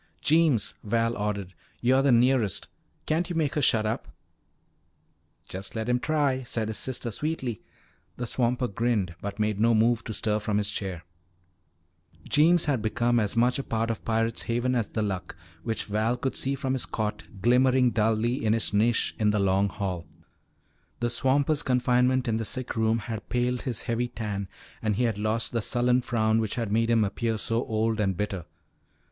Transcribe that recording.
"Jeems," Val ordered, "you're the nearest. Can't you make her shut up?" "Just let him try," said his sister sweetly. The swamper grinned but made no move to stir from his chair. Jeems had become as much a part of Pirate's Haven as the Luck, which Val could see from his cot glimmering dully in its niche in the Long Hall. The swamper's confinement in the sick room had paled his heavy tan and he had lost the sullen frown which had made him appear so old and bitter.